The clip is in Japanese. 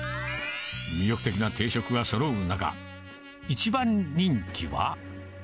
魅力的な定食がそろう中、一番人気は。